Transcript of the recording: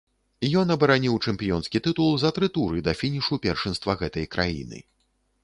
Ён абараніў чэмпіёнскі тытул за тры туры да фінішу першынства гэтай краіны.